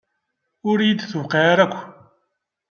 Ur iyi-d-tewqiɛ ara akk.